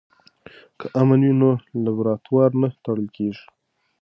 که امن وي نو لابراتوار نه تړل کیږي.